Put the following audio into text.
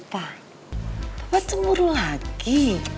pa papa cemburu lagi